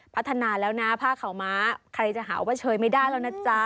พัฒนาแล้วนะผ้าขาวม้าใครจะหาว่าเชยไม่ได้แล้วนะจ๊ะ